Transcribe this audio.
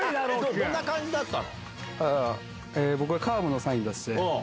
どんな感じだったの？